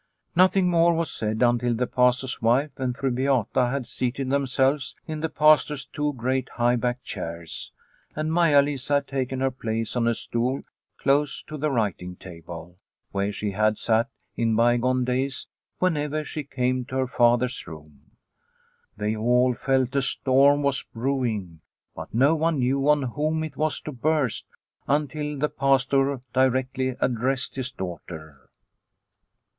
Nothing more was said until the Pastor's wife and Fru Beata had seated themselves in the Pastor's two great high backed chairs, and Maia Lisa had taken her place on a stool close to the writing table, where she had sat in bygone days whenever she came to her father's room. They all felt a storm was brewing, but no one knew on whom it was to burst until the Pastor directly addressed his daughter.